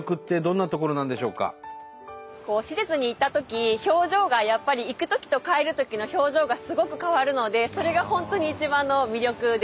施設に行ったとき表情がやっぱり行くときと帰るときの表情がすごく変わるのでそれが本当に一番の魅力です。